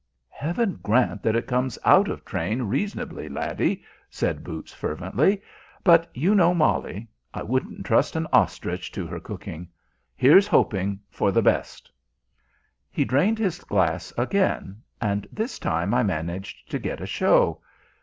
"Heaven grant that it comes out of train reasonably, laddie," said boots fervently. "But you know Molly. I wouldn't trust an ostrich to her cooking. Here's hoping for the best." He drained his glass again, and this time I managed to get a show.